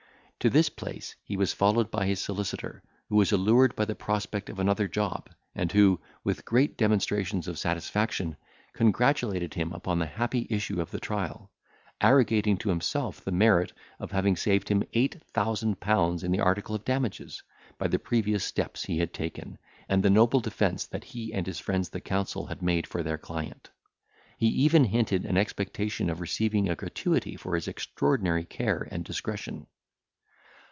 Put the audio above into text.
To this place he was followed by his solicitor, who was allured by the prospect of another job, and who, with great demonstrations of satisfaction, congratulated him upon the happy issue of the trial; arrogating to himself the merit of having saved him eight thousand pounds in the article of damages, by the previous steps he had taken, and the noble defence that he and his friends the counsel had made for their client; he even hinted an expectation of receiving a gratuity for his extraordinary care and discretion.